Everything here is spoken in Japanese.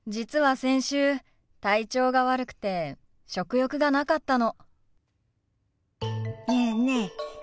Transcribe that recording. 先週体調が悪くて食欲がなかったの。